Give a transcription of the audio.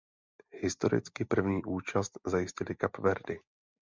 Historicky první účast zajistily Kapverdy.